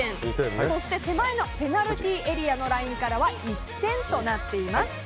そして手前のペナルティーエリアのラインからは１点となっています。